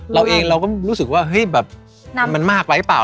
เราเองเราก็รู้สึกว่ามันมากไปหรือเปล่า